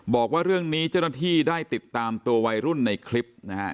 บอกว่าเรื่องนี้เจ้าหน้าที่ได้ติดตามตัววัยรุ่นในคลิปนะฮะ